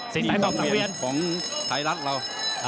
สีสันของไทยรักเรา